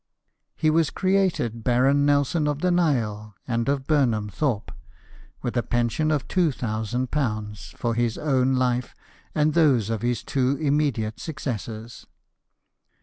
He was created Baron Nelson of the Nile, and of Burnham Thorpe, with a pension of £2,000 for his own life, and those of his two immediate suc cessors.